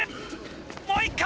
もう一回！